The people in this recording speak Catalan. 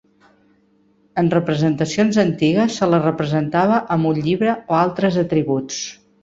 En representacions antigues se la representava amb un llibre o altres atributs.